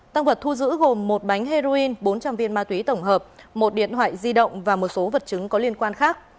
tăng vật thu giữ gồm một bánh heroin bốn trăm linh viên ma túy tổng hợp một điện thoại di động và một số vật chứng có liên quan khác